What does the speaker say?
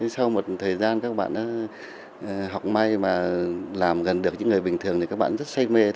sau một thời gian các bạn đã học may và làm gần được những người bình thường thì các bạn rất say mê